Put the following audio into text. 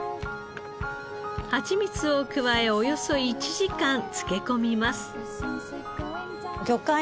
ハチミツを加えおよそ１時間漬け込みます。